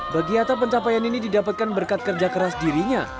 bagi ata pencapaian ini didapatkan berkat kerja keras dirinya